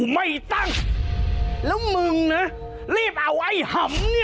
ไม่ตั้งแล้วมึงนะรีบเอาไอ้หำเนี่ย